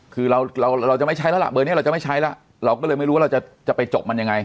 คือเราเราจะไม่ใช้แล้วล่ะเบอร์นี้เราจะไม่ใช้แล้วเราก็เลยไม่รู้ว่าเราจะไปจบมันยังไง